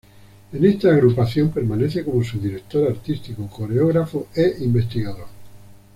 En esta agrupación permanece como su director artístico, coreógrafo e investigador.